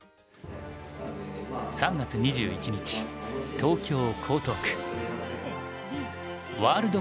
３月２１日東京江東区。